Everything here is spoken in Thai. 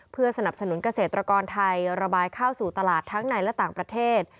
เพื่อสนับสนุนเกษตรกรไทยระบายเข้าสู่ตลาดทั้งในและต่างประเทศ